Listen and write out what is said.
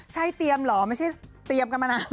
ใช่เตรียมเหรอไม่ใช่เตรียมกันมานาน